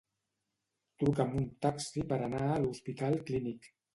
Truca'm un taxi per anar a l'Hospital Clínic.